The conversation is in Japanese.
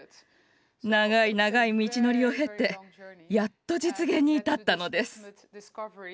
長い長い道のりを経てやっと実現に至ったのです。